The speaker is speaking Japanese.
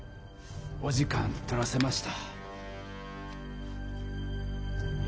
お時間取らせました。